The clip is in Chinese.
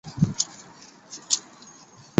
白木乌桕为大戟科乌桕属下的一个种。